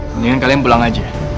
mendingan kalian pulang aja